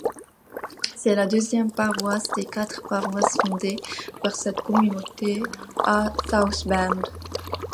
C'est la deuxième paroisse des quatre paroisses fondées par cette communauté à South Bend.